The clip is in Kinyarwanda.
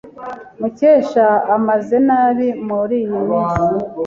Mukesha ameze nabi muriyi minsi.